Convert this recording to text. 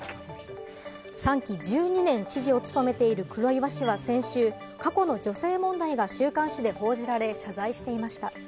３期１２年、知事を務めている黒岩氏は先週、過去の女性問題が週刊誌で報じられ、謝罪していました。